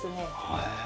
へえ。